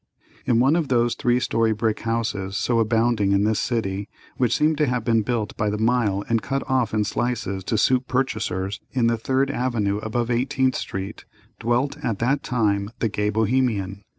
In one of those three story brick houses so abounding in this city, which seem to have been built by the mile and cut off in slices to suit purchasers, in the Third Avenue above Eighteenth Street, dwelt at that time the gay Bohemian.